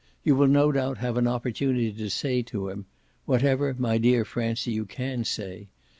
You will no doubt have an opportunity to say to him whatever, my dear Francie, you CAN say!